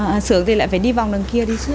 à xưởng thì lại phải đi vòng đằng kia đi xưởng